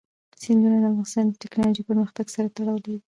سیندونه د افغانستان د تکنالوژۍ پرمختګ سره تړاو لري.